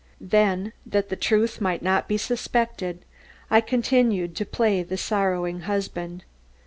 Then, that the truth might not be suspected, I continued to play the sorrowing husband.